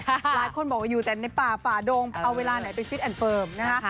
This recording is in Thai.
หลายคนบอกว่าอยู่แต่ในป่าฝ่าดงเอาเวลาไหนไปฟิตแอนดเฟิร์มนะคะ